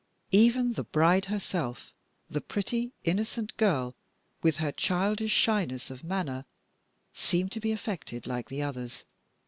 Even the bride herself the pretty, innocent girl, with her childish shyness of manner seemed to be affected like the others.